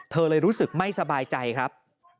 เธอเลยรู้สึกไม่สบายใจครับ